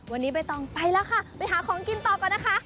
วันนี้ใบตองไปแล้วค่ะไปหาของกินต่อก่อนนะคะ